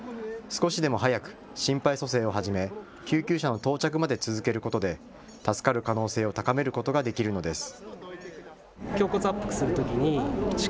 少しでも早く心肺蘇生を始め救急車の到着まで続けることで助かる可能性を高めることができるのです。